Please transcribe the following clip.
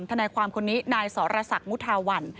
ทนายความคนนี้นายสรษักมุทาวัน